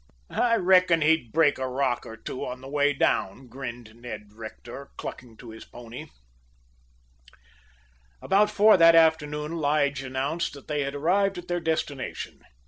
"I reckon he'd break a rock or two on the way down," grinned Ned Rector, clucking to his pony. About four o'clock that afternoon Lige announced that they had arrived at their destination.